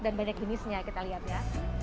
dan banyak jenisnya kita lihat ya